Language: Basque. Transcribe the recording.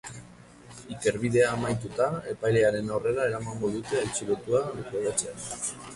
Ikerbidea amaituta, epailearen aurrera eramango dute atxilotua deklaratzera.